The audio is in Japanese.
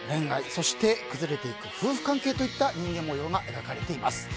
そして、崩れていく夫婦関係といった人間模様が描かれています。